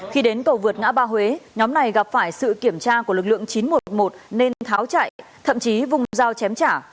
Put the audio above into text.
khi đến cầu vượt ngã ba huế nhóm này gặp phải sự kiểm tra của lực lượng chín trăm một mươi một nên tháo chạy thậm chí vùng dao chém trả